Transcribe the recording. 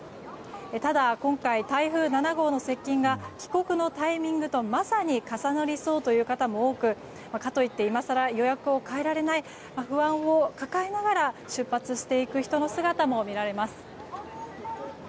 ただ、今回台風７号の接近が帰国のタイミングとまさに重なりそうという方も多くかといって今更、予約を変えられない不安を抱えながら出発していく人の姿も見られます。